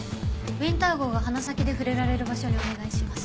ウィンター号が鼻先で触れられる場所にお願いします。